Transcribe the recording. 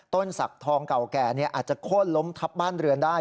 ศักดิ์ทองเก่าแก่อาจจะโค้นล้มทับบ้านเรือนได้